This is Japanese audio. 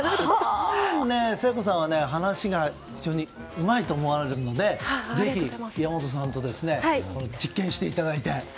誠子さんは話が非常にうまいと思われるのでぜひ岩本さんと実験していただいて。